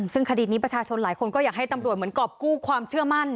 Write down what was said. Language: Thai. ซึ่งคดีนี้ประชาชนหลายคนก็อยากให้ตำรวจเหมือนกรอบกู้ความเชื่อมั่น